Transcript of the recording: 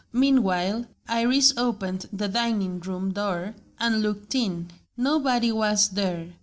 Meanwhile, Iris opened the dining room door and looked in. Nobody was there.